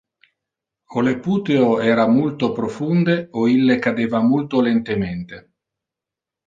O le puteo era multo profunde o ille cadeva multo lentemente.